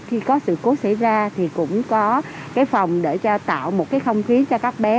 khi có sự cố xảy ra thì cũng có cái phòng để tạo một cái không khí cho các bé